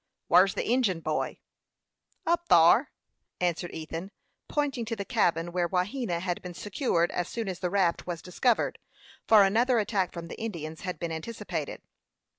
"Whar's the Injin boy?" "Up thyer," answered Ethan, pointing to the cabin where Wahena had been secured as soon as the raft was discovered, for another attack from the Indians had been anticipated.